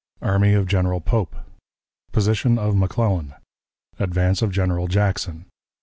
Army of General Pope. Position of McClellan. Advance of General Jackson.